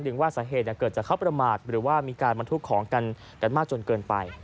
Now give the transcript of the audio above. ว่าสาเหตุเกิดจากเขาประมาทหรือว่ามีการบรรทุกของกันกันมากจนเกินไป